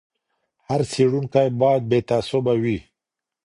هر څېړونکی باید بې تعصبه وي.